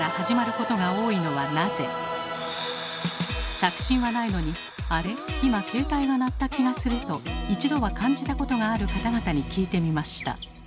着信はないのに「あれ？今携帯が鳴った気がする」と一度は感じたことがある方々に聞いてみました。